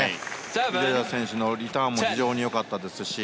ウィジャジャ選手のリターンも非常に良かったですし